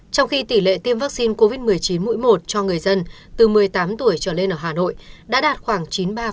trong khi tỷ lệ tiêm vaccine covid một mươi chín mũi một cho người dân từ một mươi tám tuổi trở lên ở hà nội đã đạt khoảng chín mươi ba